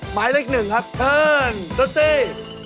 หมายเลขหนึ่งครับเชิญตัวจี้